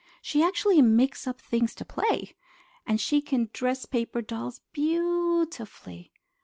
She actually makes up things to play! And she can dress paper dolls bea u ti fully.